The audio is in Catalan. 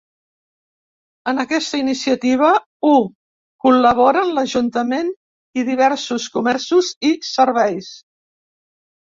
En aquesta iniciativa ho col·laboren l’ajuntament i diversos comerços i serveis.